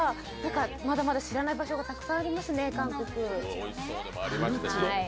まだまだ知らない場所がたくさんありますね、韓国。